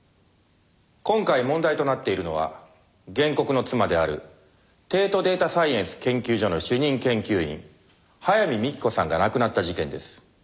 今回問題となっているのは原告の妻である帝都データサイエンス研究所の主任研究員早見幹子さんが亡くなった事件です。